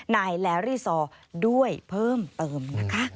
นายแลรี่ซอด้วยเพิ่มเติมนะคะ